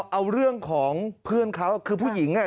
เอาเรื่องของเพื่อนเขาคือผู้หญิง